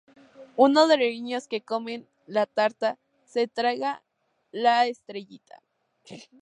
Uno de los niños que comen la tarta se traga la estrellita.